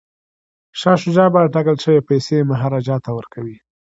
شاه شجاع به ټاکل شوې پیسې مهاراجا ته ورکوي.